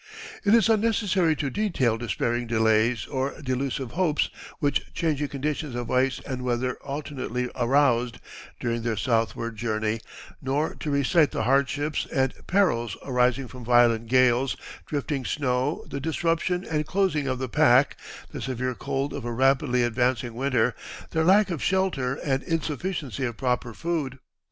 It is unnecessary to detail despairing delays or delusive hopes which changing conditions of ice and weather alternately aroused, during their southward journey, nor to recite the hardships and perils arising from violent gales, drifting snow, the disruption and closing of the pack, the severe cold of a rapidly advancing winter, their lack of shelter and insufficiency of proper food.